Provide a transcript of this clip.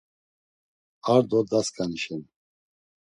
Ar do dasǩani şeni.